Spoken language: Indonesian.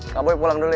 kak boy pulang dulu ya